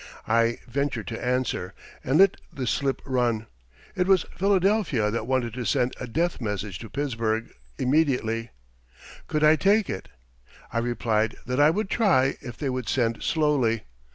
I ventured to answer, and let the slip run. It was Philadelphia that wanted to send "a death message" to Pittsburgh immediately. Could I take it? I replied that I would try if they would send slowly.